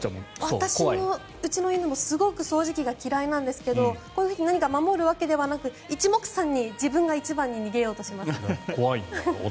私のうちの犬もすごく掃除機が嫌いなんですけどこういうふうに何か守るわけではなく一目散に自分が一番に逃げようとしますね。